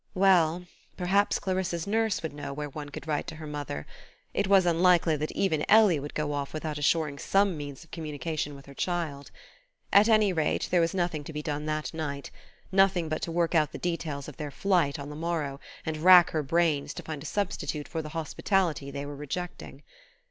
Well perhaps Clarissa's nurse would know where one could write to her mother; it was unlikely that even Ellie would go off without assuring some means of communication with her child. At any rate, there was nothing to be done that night: nothing but to work out the details of their flight on the morrow, and rack her brains to find a substitute for the hospitality they were rejecting.